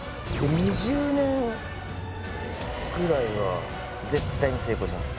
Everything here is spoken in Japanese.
２０年ぐらいは絶対に成功します